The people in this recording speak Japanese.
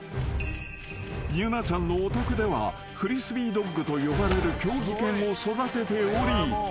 ［由菜ちゃんのお宅ではフリスビードッグと呼ばれる競技犬を育てており］